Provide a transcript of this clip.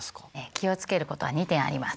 気を付けることは２点あります。